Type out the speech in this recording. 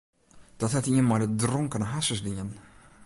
Dat hat ien mei de dronkene harsens dien.